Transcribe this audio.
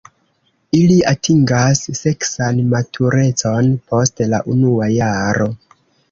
Ili atingas seksan maturecon post la unua jaro.